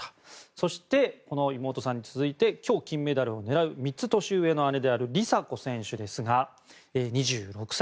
そして妹さんに続いて今日、金メダルを狙う３つ年上の姉である梨紗子選手ですが２６歳。